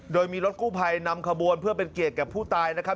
โดยมีรถกู้ภัยนำขบวนเพื่อเป็นเกียรติกับผู้ตายนะครับ